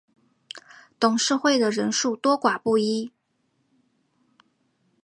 董事会的人数多寡不一。